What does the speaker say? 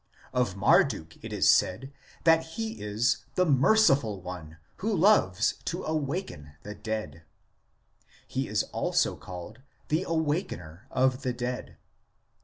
Of Marduk it is said that he is " the merciful one, who loves to awaken the dead "; he is also called " the awakener of the dead."